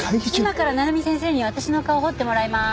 今からナルミ先生に私の顔彫ってもらいまーす。